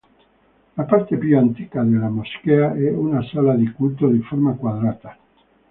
La parte più antica della moschea è una sala di culto di forma quadrata.